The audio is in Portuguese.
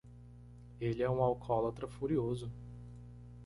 Ele é um alcoólatra furioso.